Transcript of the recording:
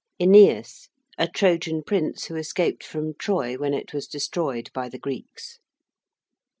~Æneas~: a Trojan prince who escaped from Troy when it was destroyed by the Greeks.